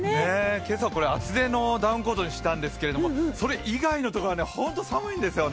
今朝、厚手のダウンコートにしたんですけどそれ以外のところはホント寒いんですよね。